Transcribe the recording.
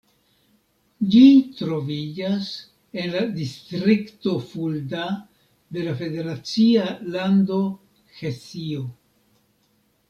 Ĝi troviĝas en la distrikto Fulda de la federacia lando Hesio.